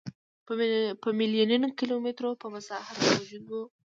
په میلیونونو کیلومترو په مساحت موجود و.